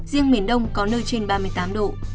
riêng miền đông có nơi trên ba mươi tám độ